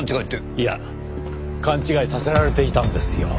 いや勘違いさせられていたんですよ。